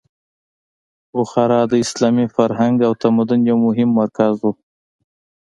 بخارا د اسلامي فرهنګ او تمدن یو مهم مرکز و.